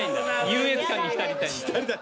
優越感に浸りたいんだ。